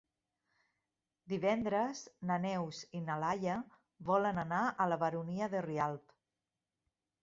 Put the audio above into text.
Divendres na Neus i na Laia volen anar a la Baronia de Rialb.